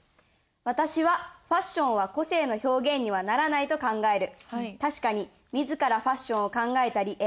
「私は、ファッションは個性の表現にはならないと考える」。